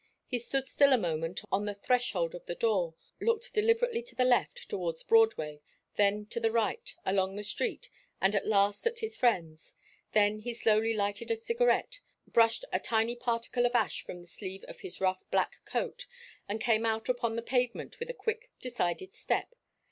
He stood still a moment on the threshold of the door, looked deliberately to the left, towards Broadway, then to the right, along the street, and at last at his friends. Then he slowly lighted a cigarette, brushed a tiny particle of ash from the sleeve of his rough black coat and came out upon the pavement, with a quick, decided step.